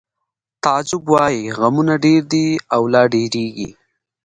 تعجب وایی غمونه ډېر دي او لا ډېرېږي